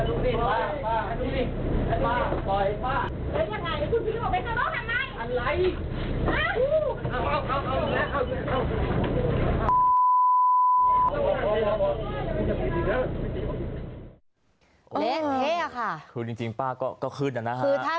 ถึงจริงป้าก็คืนอะนะฮะ